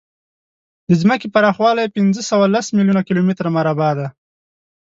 د ځمکې پراخوالی پینځهسوهلس میلیونه کیلومتره مربع دی.